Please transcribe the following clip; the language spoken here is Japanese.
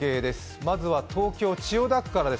まずは東京・千代田区からです。